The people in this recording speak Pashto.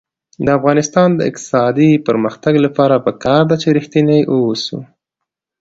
د افغانستان د اقتصادي پرمختګ لپاره پکار ده چې ریښتیني اوسو.